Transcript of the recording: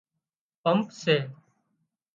پمپ سي